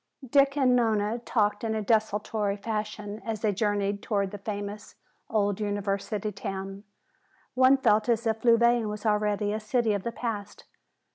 Dick and Nona talked in a desultory fashion as they journeyed toward the famous old university town. One felt as if Louvain was already a city of the past.